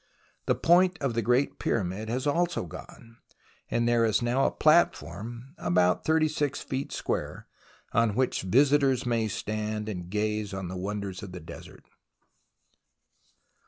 The point of the Great Pyramid has also gone, and there is now a platform about 36 feet square, on which visitors may stand and gaze on the wonders of the desert.